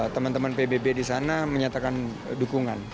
teman teman pbb di sana menyatakan dukungan